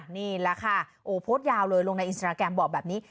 นี่แหละค่ะโอ้โพสต์ยาวเลยลงในอินสตราแกรมบอกแบบนี้